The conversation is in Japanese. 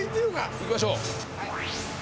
行きましょう。